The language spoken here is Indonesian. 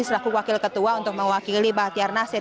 selaku wakil ketua untuk mewakili bahtiar nasir